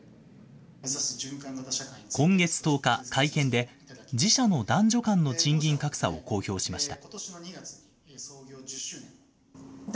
今月１０日、会見で、自社の男女間の賃金格差を公表しました。